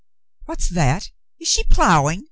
"What's that? Is she ploughing?"